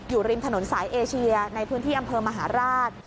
อยู่ริมถนนสายเอเชียในพื้นที่อำเภอมหาราช